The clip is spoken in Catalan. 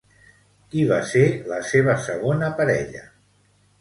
Qui va ser la seva segona parella?